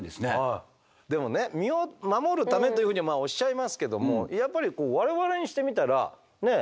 でもね身を守るためというふうにおっしゃいますけどもやっぱりこう我々にしてみたらねえ？